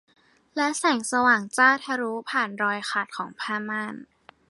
และแสงสว่างจ้าทะลุผ่านรอยขาดของผ้าม่าน